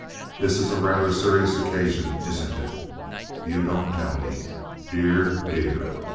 "This is a rather serious occasion, isn't it?" "You don't tell me!" "Dear, dear!"